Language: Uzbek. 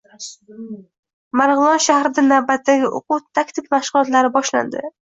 Marg‘ilon shahrida navbatdagi o‘quv taktik mashg‘ulotlari boshlanding